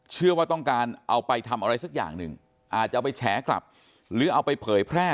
เชื่อว่าต้องการเอาไปทำอะไรสักอย่างหนึ่งอาจจะเอาไปแฉกลับหรือเอาไปเผยแพร่